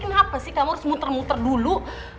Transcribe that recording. kenapa sih kamu harus muter muter dulu